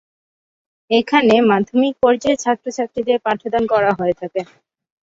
এখানে মাধ্যমিক পর্যায়ের ছাত্রছাত্রীদের পাঠদান করা হয়ে থাকে।